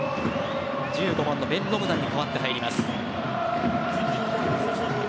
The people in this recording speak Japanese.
１５番、ベンロムダンに代わって入ります。